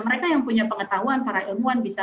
mereka yang punya pengetahuan para ilmuwan bisa